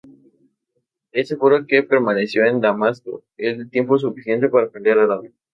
Es seguro que permaneció en Damasco el tiempo suficiente para aprender árabe.